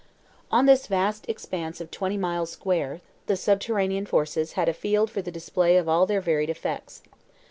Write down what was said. On this vast extent of twenty miles square, the subterranean forces had a field for the display of all their varied effects.